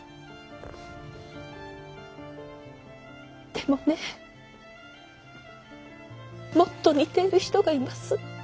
でもねもっと似ている人がいます。